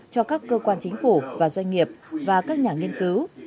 cho các cơ quan chính phủ và doanh nghiệp và các nhà nghiên cứu